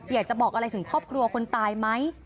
อยากจะบอกอะไรถึงครอบครัวคนตายไหม